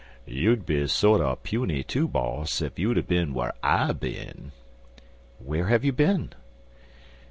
"You'd be sorter puny, too, boss, if you'd er bin whar I bin." "Where have you been?"